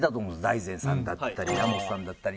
財前さんだったりラモスさんだったり。